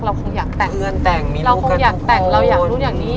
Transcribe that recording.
เราคงอยากแต่งเราคงอยากแต่งเราอยากรู้อย่างนี้